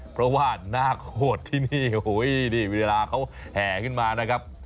เพราะว่านาคโหดที่นี่เวลาเขาแห่ขึ้นมานะครับ